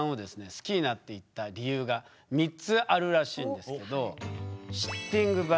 好きになっていった理由が３つあるらしいんですけど。